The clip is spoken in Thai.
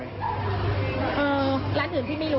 เอ่อร้านอื่นพี่ไม่รู้แต่ร้านที่เนี้ยสักประมาณสี่ห้าทุ่มเนี้ย